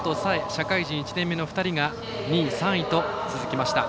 社会人１年目の２人が２位、３位と続きました。